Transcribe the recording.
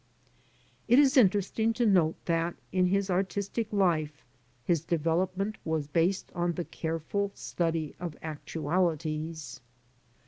It is interesting to note that, in his artistic life, his develop ment was based on the careful study of actualities.